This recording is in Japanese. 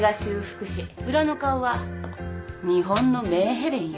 裏の顔は日本のメーヘレンよ。